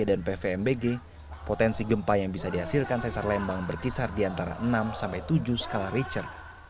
dan pvmbg potensi gempa yang bisa dihasilkan sesar lembang berkisar di antara enam sampai tujuh skala richer